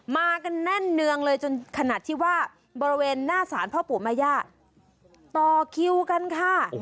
มากันแน่นเนืองเลยจนขนาดที่ว่าบริเวณหน้าศาลพ่อปู่แม่ย่าต่อคิวกันค่ะ